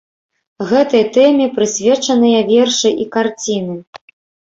Гэтай тэме прысвечаныя вершы і карціны.